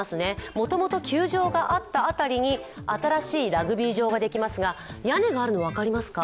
もともと球場があった辺りに新しいラグビー場ができますが、屋根があるの分かりますか？